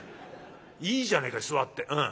いいじゃねえか座って。